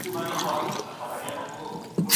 ځواني د عبادت لپاره تر ټولو غوره موسم دی.